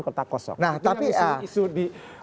kota kosok nah tapi itu isu isu di